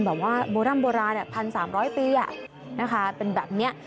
บรรยามโบราณ๑๓๐๐ปีเป็นแบบนี้